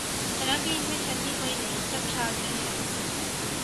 حالانکہ ان میں چھلنی کوئی نہیں، سب چھاج ہی ہیں۔